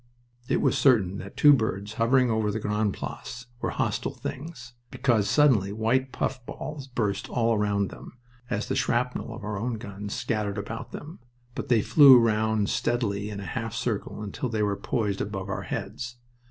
It was certain that two birds hovering over the Grande Place were hostile things, because suddenly white puffballs burst all round them, as the shrapnel of our own guns scattered about them. But they flew round steadily in a half circle until they were poised above our heads.